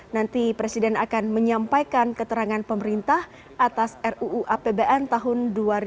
nanti presiden akan menyampaikan keterangan pemerintah atas ruu apbn tahun dua ribu dua puluh